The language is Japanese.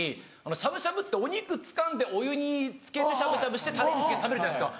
しゃぶしゃぶってお肉つかんでお湯につけてしゃぶしゃぶしてタレにつけて食べるじゃないですか。